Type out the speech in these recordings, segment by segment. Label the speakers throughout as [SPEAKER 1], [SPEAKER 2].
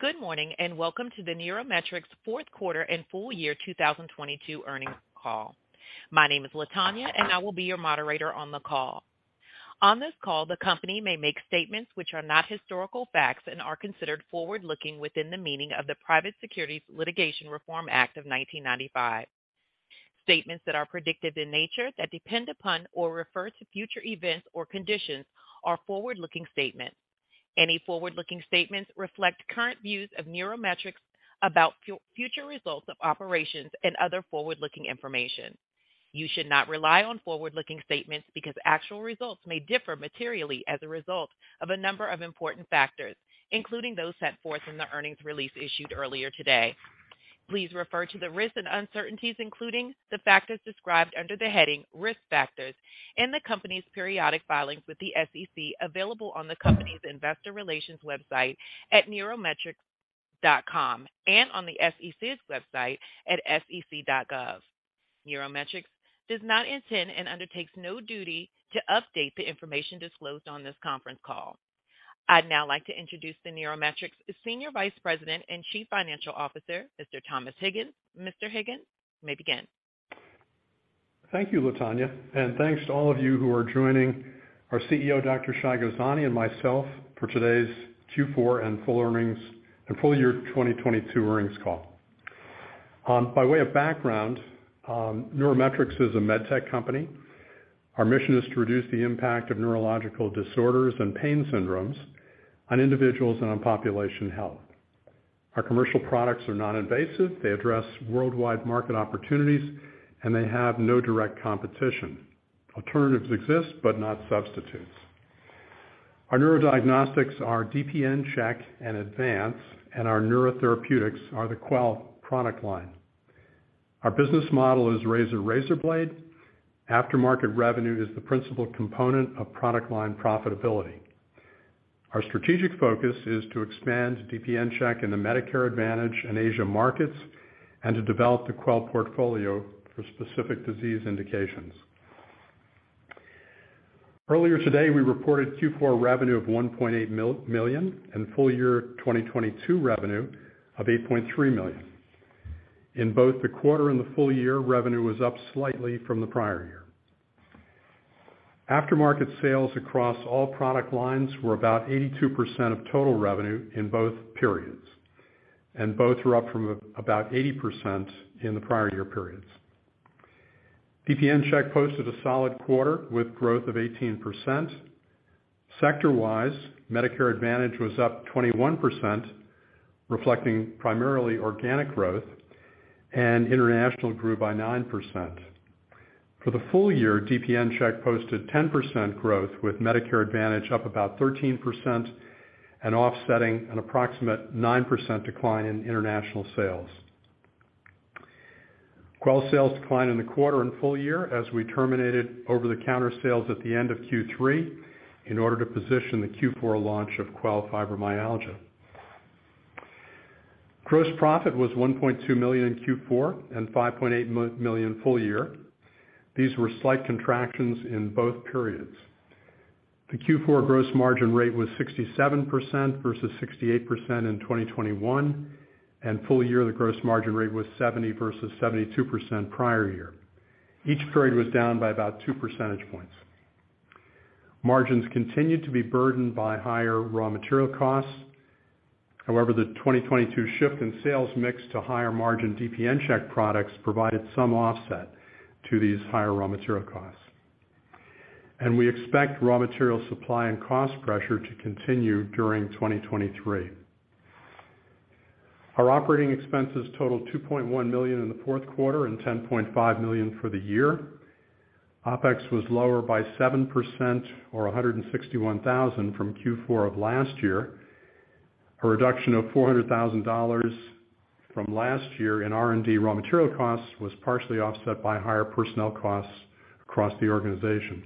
[SPEAKER 1] Good morning, and welcome to the NeuroMetrix Q4 and full year 2022 earnings call. My name is Latonya, and I will be your moderator on the call. On this call, the company may make statements which are not historical facts and are considered forward-looking within the meaning of the Private Securities Litigation Reform Act of 1995. Statements that are predictive in nature, that depend upon or refer to future events or conditions are forward-looking statements. Any forward-looking statements reflect current views of NeuroMetrix about future results of operations and other forward-looking information. You should not rely on forward-looking statements because actual results may differ materially as a result of a number of important factors, including those set forth in the earnings release issued earlier today. Please refer to the risks and uncertainties, including the factors described under the heading Risk Factors in the company's periodic filings with the SEC, available on the company's investor relations website at neurometrix.com, and on the SEC's website at sec.gov. NeuroMetrix does not intend and undertakes no duty to update the information disclosed on this conference call. I'd now like to introduce the NeuroMetrix Senior Vice President and Chief Financial Officer, Mr. Thomas Higgins. Mr. Higgins, you may begin.
[SPEAKER 2] Thank you, Latonya, and thanks to all of you who are joining our CEO, Dr. Shai Gozani, and myself for today's Q4 and full year 2022 earnings call. By way of background, NeuroMetrix is a med tech company. Our mission is to reduce the impact of neurological disorders and pain syndromes on individuals and on population health. Our commercial products are non-invasive. They address worldwide market opportunities, and they have no direct competition. Alternatives exist, but not substitutes. Our neurodiagnostics are DPNCheck and ADVANCE, and our neurotherapeutics are the Quell product line. Our business model is razor/razor blade. Aftermarket revenue is the principal component of product line profitability. Our strategic focus is to expand DPNCheck in the Medicare Advantage and Asia markets, and to develop the Quell portfolio for specific disease indications. Earlier today, we reported Q4 revenue of $1.8 million, and full year 2022 revenue of $8.3 million. In both the quarter and the full year, revenue was up slightly from the prior year. Aftermarket sales across all product lines were about 82% of total revenue in both periods, and both were up from about 80% in the prior year periods. DPNCheck posted a solid quarter with growth of 18%. Sector-wise, Medicare Advantage was up 21%, reflecting primarily organic growth, and international grew by 9%. For the full year, DPNCheck posted 10% growth, with Medicare Advantage up about 13% and offsetting an approximate 9% decline in international sales. Quell sales declined in the quarter and full year as we terminated over-the-counter sales at the end of Q3 in order to position the Q4 launch of Quell Fibromyalgia. Gross profit was $1.2 million in Q4 and $5.8 million full year. These were slight contractions in both periods. The Q4 gross margin rate was 67% versus 68% in 2021. Full year, the gross margin rate was 70% versus 72% prior year. Each period was down by about 2 percentage points. Margins continued to be burdened by higher raw material costs. However, the 2022 shift in sales mix to higher margin DPNCheck products provided some offset to these higher raw material costs. We expect raw material supply and cost pressure to continue during 2023. Our operating expenses totaled $2.1 million in the Q4 and $10.5 million for the year. OpEx was lower by 7% or $161,000 from Q4 of last year. A reduction of $400,000 from last year in R&D raw material costs was partially offset by higher personnel costs across the organization.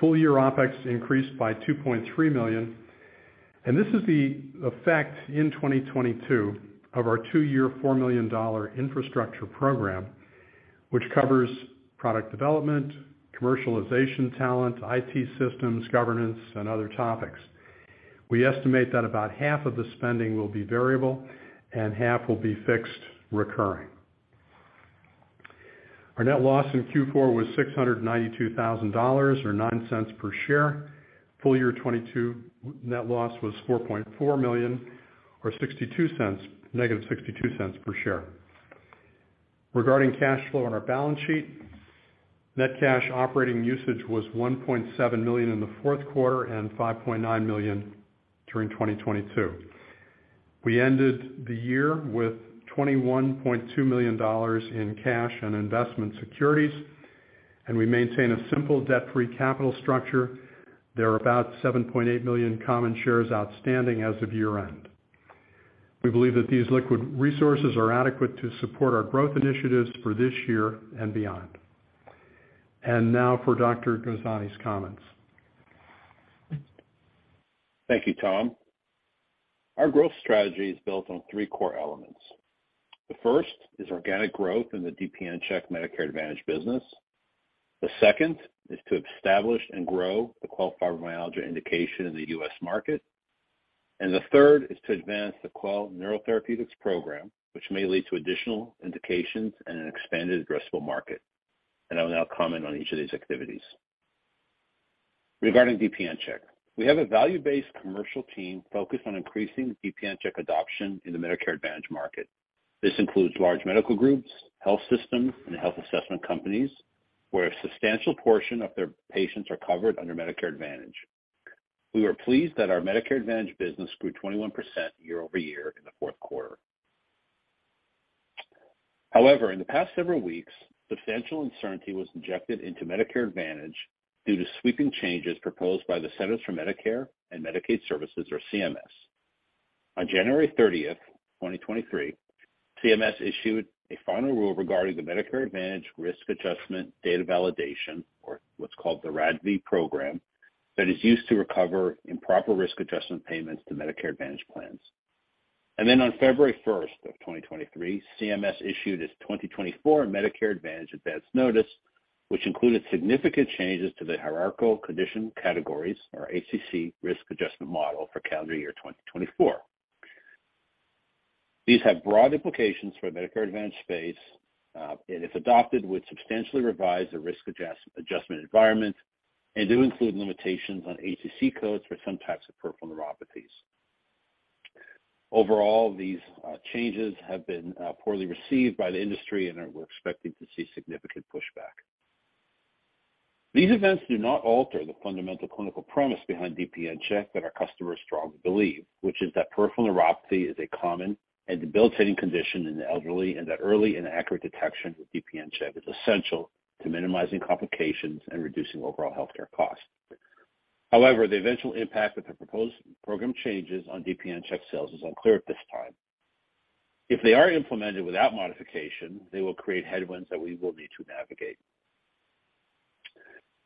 [SPEAKER 2] Full year OpEx increased by $2.3 million, this is the effect in 2022 of our two year, $4 million infrastructure program, which covers product development, commercialization talent, IT systems, governance, and other topics. We estimate that about half of the spending will be variable and half will be fixed recurring. Our net loss in Q4 was $692,000 or $0.09 per share. Full year 2022 net loss was $4.4 million or -$0.62 per share. Regarding cash flow on our balance sheet, net cash operating usage was $1.7 million in the Q4 and $5.9 million during 2022. We ended the year with $21.2 million in cash and investment securities. We maintain a simple debt-free capital structure. There are about 7.8 million common shares outstanding as of year-end. We believe that these liquid resources are adequate to support our growth initiatives for this year and beyond. Now for Dr. Gozani's comments.
[SPEAKER 3] Thank you, Tom. Our growth strategy is built on three core elements. The first is organic growth in the DPNCheck Medicare Advantage business. The second is to establish and grow the Quell Fibromyalgia indication in the U.S. market. The third is to advance the Quell neurotherapeutics program, which may lead to additional indications and an expanded addressable market. I will now comment on each of these activities. Regarding DPNCheck, we have a value-based commercial team focused on increasing DPNCheck adoption in the Medicare Advantage market. This includes large medical groups, health systems, and health assessment companies, where a substantial portion of their patients are covered under Medicare Advantage. We were pleased that our Medicare Advantage business grew 21% year-over-year in the Q4. However, in the past several weeks, substantial uncertainty was injected into Medicare Advantage due to sweeping changes proposed by the Centers for Medicare & Medicaid Services, or CMS. On January 30, 2023, CMS issued a final rule regarding the Medicare Advantage Risk Adjustment Data Validation, or what's called the RADV program, that is used to recover improper risk adjustment payments to Medicare Advantage plans. On February 1 of 2023, CMS issued its 2024 Medicare Advantage Advance Notice, which included significant changes to the Hierarchical Condition Categories, or HCC, risk adjustment model for calendar year 2024. These have broad implications for the Medicare Advantage space, and if adopted, would substantially revise the risk adjustment environment and do include limitations on HCC codes for some types of peripheral neuropathies. Overall, these changes have been poorly received by the industry, and we're expecting to see significant pushback. These events do not alter the fundamental clinical premise behind DPNCheck that our customers strongly believe, which is that peripheral neuropathy is a common and debilitating condition in the elderly, and that early and accurate detection with DPNCheck is essential to minimizing complications and reducing overall healthcare costs. However, the eventual impact of the proposed program changes on DPNCheck sales is unclear at this time. If they are implemented without modification, they will create headwinds that we will need to navigate.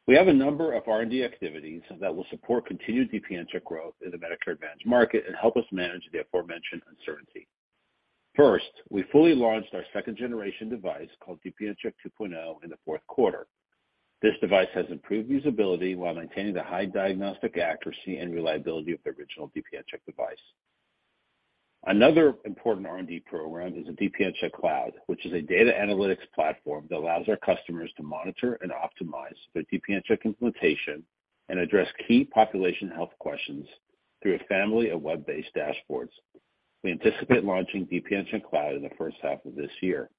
[SPEAKER 3] We have a number of R&D activities that will support continued DPNCheck growth in the Medicare Advantage market and help us manage the aforementioned uncertainty. First, we fully launched our second-generation device, called DPNCheck 2.0, in the Q4. This device has improved usability while maintaining the high diagnostic accuracy and reliability of the original DPNCheck device. Another important R&D program is the DPNCheck Cloud, which is a data analytics platform that allows our customers to monitor and optimize their DPNCheck implementation and address key population health questions through a family of web-based dashboards. We anticipate launching DPNCheck Cloud in the 1st half of this year.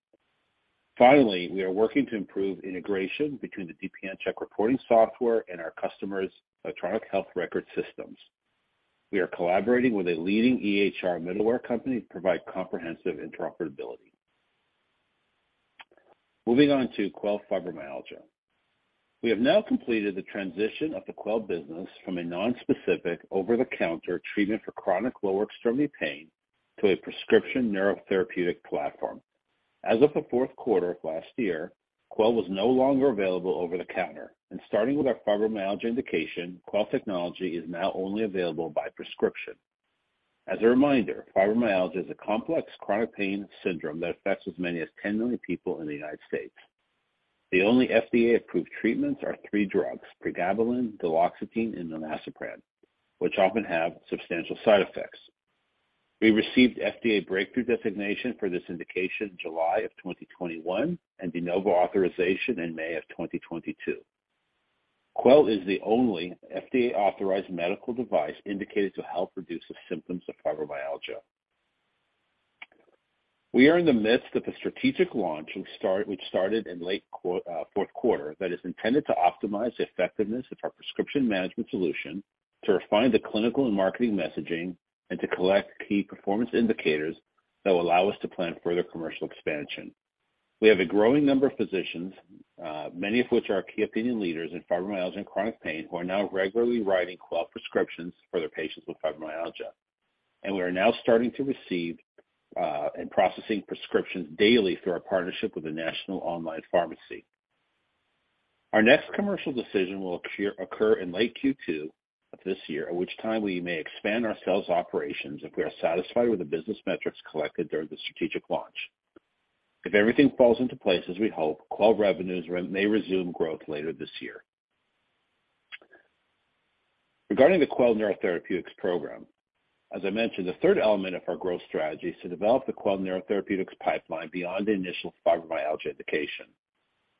[SPEAKER 3] Finally, we are working to improve integration between the DPNCheck reporting software and our customers' electronic health record systems. We are collaborating with a leading EHR middleware company to provide comprehensive interoperability. Moving on to Quell Fibromyalgia. We have now completed the transition of the Quell business from a non-specific over-the-counter treatment for chronic lower extremity pain to a prescription neurotherapeutic platform. As of the 4th quarter of last year, Quell was no longer available over the counter. Starting with our fibromyalgia indication, Quell technology is now only available by prescription. As a reminder, fibromyalgia is a complex chronic pain syndrome that affects as many as 10 million people in the United States. The only FDA-approved treatments are three drugs, pregabalin, duloxetine, and milnacipran, which often have substantial side effects. We received FDA Breakthrough designation for this indication July of 2021 and De Novo authorization in May of 2022. Quell is the only FDA-authorized medical device indicated to help reduce the symptoms of fibromyalgia. We are in the midst of a strategic launch which started in late Q4 that is intended to optimize the effectiveness of our prescription management solution, to refine the clinical and marketing messaging, and to collect key performance indicators that will allow us to plan further commercial expansion. We have a growing number of physicians, many of which are key opinion leaders in fibromyalgia and chronic pain, who are now regularly writing Quell prescriptions for their patients with fibromyalgia. We are now starting to receive and processing prescriptions daily through our partnership with a national online pharmacy. Our next commercial decision will occur in late Q2 of this year, at which time we may expand our sales operations if we are satisfied with the business metrics collected during the strategic launch. If everything falls into place as we hope, Quell revenues may resume growth later this year. Regarding the Quell neurotherapeutics program, as I mentioned, the third element of our growth strategy is to develop the Quell neurotherapeutics pipeline beyond the initial fibromyalgia indication.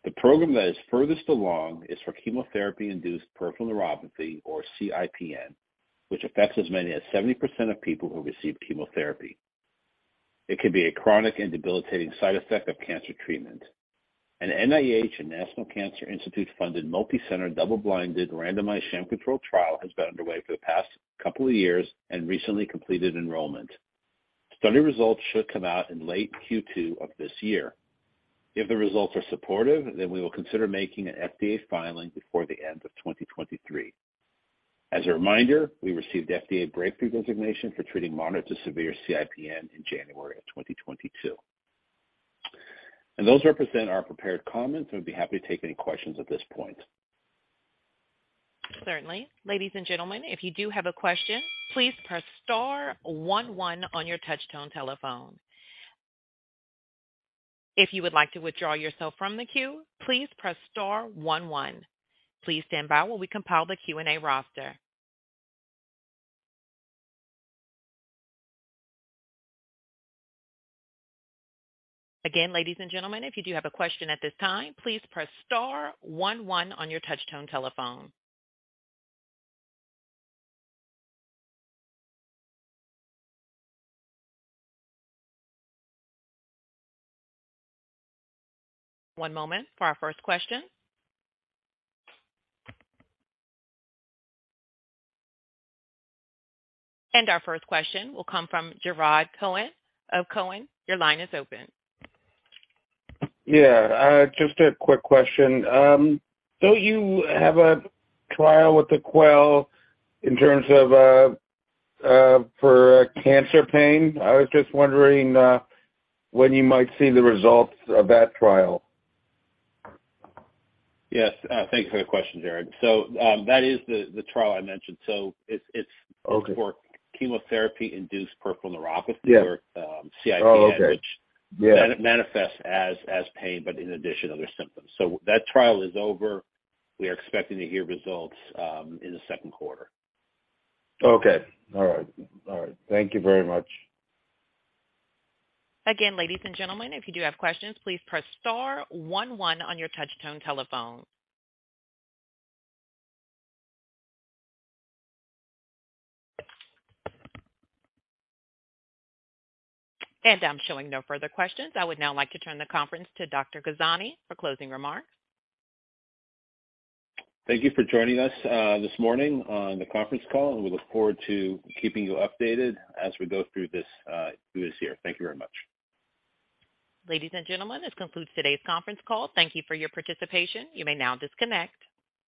[SPEAKER 3] The program that is furthest along is for chemotherapy-induced peripheral neuropathy, or CIPN, which affects as many as 70% of people who receive chemotherapy. It can be a chronic and debilitating side effect of cancer treatment. An NIH and National Cancer Institute-funded multicenter, double-blinded, randomized sham-controlled trial has been underway for the past couple of years and recently completed enrollment. Study results should come out in late Q2 of this year. If the results are supportive, we will consider making an FDA filing before the end of 2023. As a reminder, we received FDA Breakthrough designation for treating moderate to severe CIPN in January 2022. Those represent our prepared comments, and we'd be happy to take any questions at this point.
[SPEAKER 1] Certainly. Ladies and gentlemen, if you do have a question, please press star one one on your touchtone telephone. If you would like to withdraw yourself from the queue, please press star one one. Please stand by while we compile the Q&A roster. Again, ladies and gentlemen, if you do have a question at this time, please press star one one on your touchtone telephone. One moment for our first question. Our first question will come from Jarrod Cohen of Cohen. Your line is open.
[SPEAKER 4] Just a quick question. Don't you have a trial with the Quell in terms of for cancer pain? I was just wondering when you might see the results of that trial?
[SPEAKER 3] Yes. Thanks for the question, Jarrod. That is the trial I mentioned. It's.
[SPEAKER 4] Okay.
[SPEAKER 3] -for Chemotherapy-Induced Peripheral Neuropathy-
[SPEAKER 4] Yeah.
[SPEAKER 3] CIPN.
[SPEAKER 4] Oh, okay. Yeah.
[SPEAKER 3] That manifests as pain. In addition, other symptoms. That trial is over. We are expecting to hear results in the Q2.
[SPEAKER 4] Okay. All right. All right. Thank you very much.
[SPEAKER 1] Again, ladies and gentlemen, if you do have questions, please press star one one on your touchtone telephone. I'm showing no further questions. I would now like to turn the conference to Dr. Gozani for closing remarks.
[SPEAKER 3] Thank you for joining us this morning on the conference call. We look forward to keeping you updated as we go through this year. Thank you very much.
[SPEAKER 1] Ladies and gentlemen, this concludes today's conference call. Thank you for your participation. You may now disconnect.